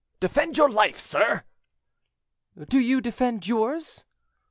"Defend your life, sir!" "Do you defend yours!"